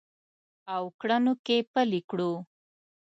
او کړنو کې پلي کړو